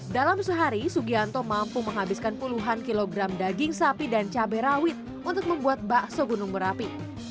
dalam sehari sugianto mampu menghabiskan puluhan kilogram daging sapi dan cabai rawit untuk membuat bakso gunung merapi